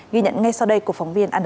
ghi nhận ngay sau đây của phóng viên anntv